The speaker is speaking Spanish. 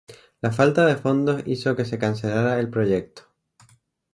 La falta de fondos hizo que se cancelara el proyecto.